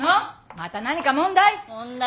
また何か問題？